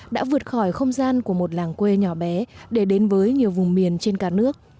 đã vượt khỏi không gian của một làng quê nhỏ bé để đến với nhiều vùng miền trên cả nước